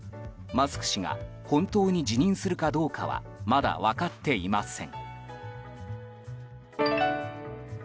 マスク氏が本当に辞任するかどうかはまだ分かっていません。